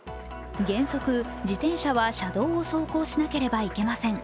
原則自転車は車道を走行しなければいけません。